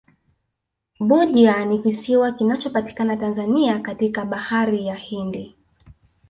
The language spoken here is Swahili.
budya ni kisiwa kinachopatikana tanzania katika bahari ya hindi